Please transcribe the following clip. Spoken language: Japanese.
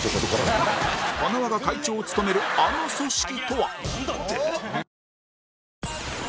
塙が会長を務めるあの組織とは？